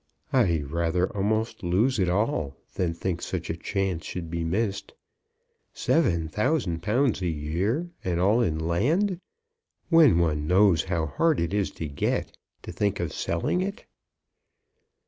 "I'd rather a'most lose it all than think such a chance should be missed. £7,000 a year, and all in land? When one knows how hard it is to get, to think of selling it!"